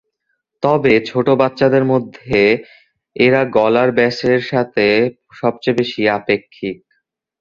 তবে ছোট বাচ্চাদের মধ্যে এরা গলার ব্যাসের সাথে সবচেয়ে বেশি আপেক্ষিক।